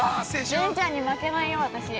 恋ちゃんに負けないよ、私。